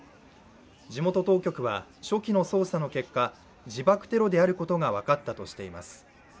地元当局は、初期の捜査の結果自爆テロであることが分かったとしています。